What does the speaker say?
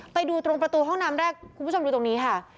ไปดูตรงประตูห้องน้ำแรกคุณผู้ชมดูตรงนี้ค่ะ